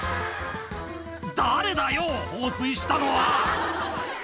「誰だよ放水したのは！」